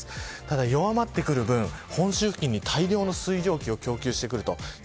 ただ、弱まってくる分本州付近に大量の水蒸気を供給してきます。